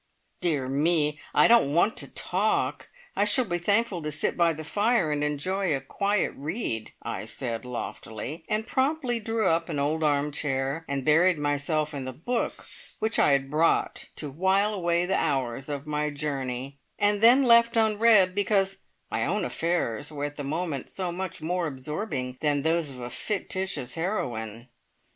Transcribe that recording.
"Dear me! I don't want to talk! I shall be thankful to sit by the fire and enjoy a quiet read," I said loftily, and promptly drew up an old arm chair, and buried myself in the book which I had bought to while away the hours of my journey, and then left unread, because my own affairs were at the moment so much more absorbing than those of a fictitious heroine.